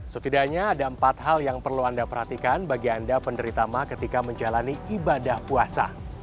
setidaknya ada empat hal yang perlu anda perhatikan bagi anda penderita mah ketika menjalani ibadah puasa